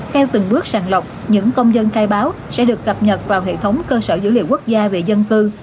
theo từng bước sàng lọc những công dân khai báo sẽ được cập nhật vào hệ thống cơ sở dữ liệu quốc gia về dân cư